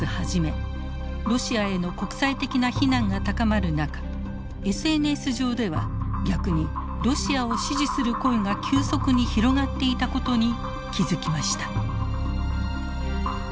ロシアへの国際的な非難が高まる中ＳＮＳ上では逆にロシアを支持する声が急速に広がっていたことに気付きました。